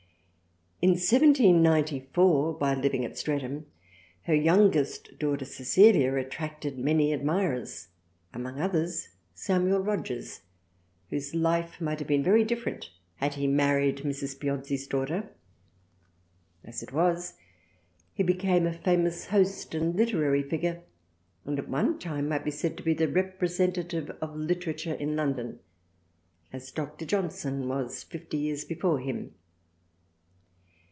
In 1794 while living at Streatham her youngest daughter Cecilia attracted many admirers, among others Samuel Rogers whose life might have been very different had he married Mrs. Piozzi's daughter. As it was, he became a famous host and literary figure and at one time might be said to be the representative THRALIANA 53 of Literature in London as Dr. Johnson was fifty years before him.